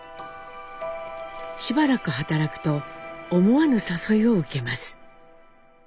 しばらく働くと思わぬ誘いを受けます。